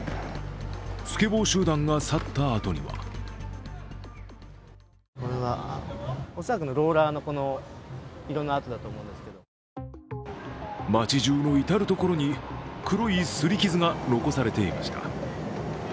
スケボー集団が去ったあとには街じゅうの至る所に、黒い擦り傷が残されていました。